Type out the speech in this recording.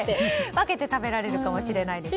分けて食べられるかもしれないし。